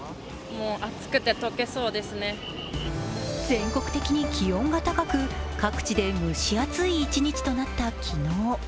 全国的に気温が高く、各地で蒸し暑い一日となった昨日。